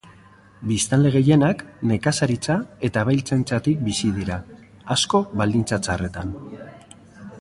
Biztanle gehienak nekazaritza eta abeltzaintzatik bizi dira, asko baldintza txarretan.